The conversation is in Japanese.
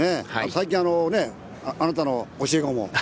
最近、あなたの教え子も。